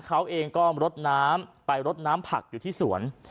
เขาเองก็รดน้ำไปรดน้ำผักอยู่ที่สวน